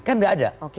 kan tidak ada